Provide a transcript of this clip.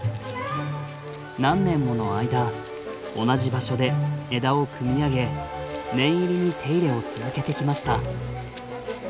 何年もの間同じ場所で枝を組み上げ念入りに手入れを続けてきました。